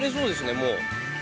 もう。